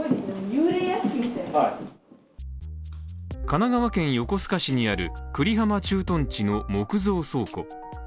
神奈川県横須賀市にある、久里浜駐屯地の木造倉庫。